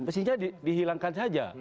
mestinya dihilangkan saja